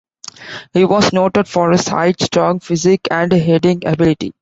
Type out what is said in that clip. He was noted for his height, strong physique, and heading ability.